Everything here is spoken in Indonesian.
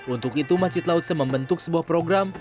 untuk itu masjid lao tse membentuk sebuah program